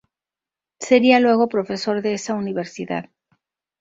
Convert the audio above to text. Sería luego profesor de esa Universidad.